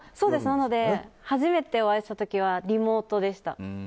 なので、初めてお会いした時はリモートでした。